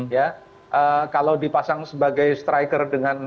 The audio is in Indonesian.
ya kalau dipasang sebagai striker dengan